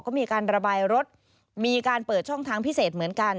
ก็มีการระบายรถมีการเปิดช่องทางพิเศษเหมือนกัน